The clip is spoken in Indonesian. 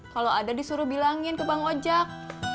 kalau ada disuruh bilangin ke bank ojek